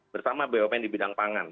bersama bumn di bidang pangan